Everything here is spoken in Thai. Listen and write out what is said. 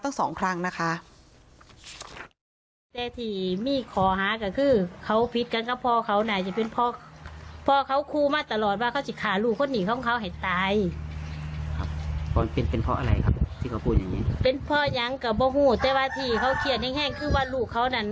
ตั้ง๒ครั้งนะคะ